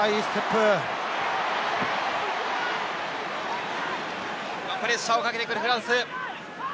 プレッシャーをかけてくるフランス。